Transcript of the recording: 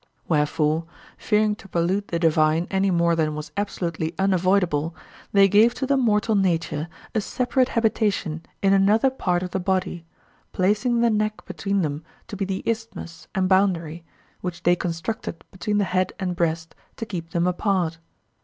Wherefore, fearing to pollute the divine any more than was absolutely unavoidable, they gave to the mortal nature a separate habitation in another part of the body, placing the neck between them to be the isthmus and boundary, which they constructed between the head and breast, to keep them apart.